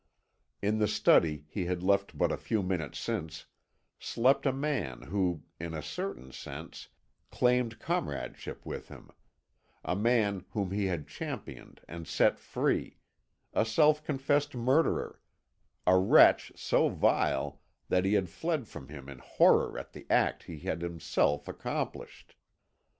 In the study he had left but a few minutes since slept a man who, in a certain sense, claimed comradeship with him, a man whom he had championed and set free, a self confessed murderer, a wretch so vile that he had fled from him in horror at the act he had himself accomplished.